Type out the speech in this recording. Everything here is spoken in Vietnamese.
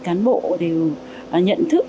cán bộ đều nhận thức